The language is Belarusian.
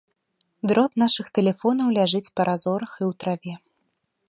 Дрот нашых тэлефонаў ляжыць па разорах і ў траве.